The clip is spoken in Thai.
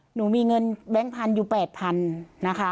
หนูมีเงินแบงค์พันธุ์อยู่๘๐๐๐นะคะ